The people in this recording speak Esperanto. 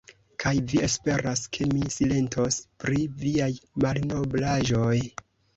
Kaj vi esperas, ke mi silentos pri viaj malnoblaĵoj!